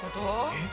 えっ？